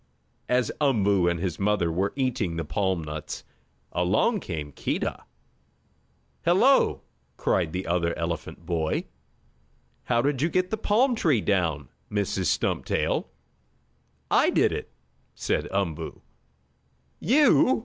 As Umboo and his mother were eating the palm nuts, along came Keedah. "Hello!" cried the other elephant boy. "How did you get the palm tree down, Mrs. Stumptail?" "I did it," said Umboo. "You?"